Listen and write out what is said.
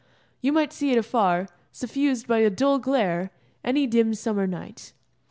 You might see it afar, suffused by a dull glare, any dim summer night.